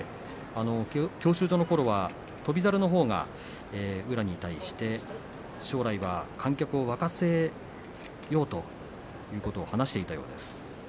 教習所のころは翔猿のほうが宇良に対して将来は観客を沸かせようということを話していたそうです。